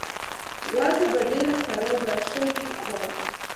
وضع به ډېره خرابه شوې وای.